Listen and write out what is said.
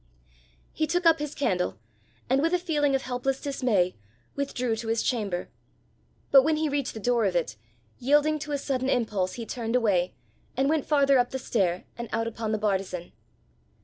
He took up his candle, and with a feeling of helpless dismay, withdrew to his chamber. But when he reached the door of it, yielding to a sudden impulse, he turned away, and went farther up the stair, and out upon the bartizan.